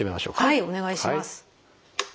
はいお願いします。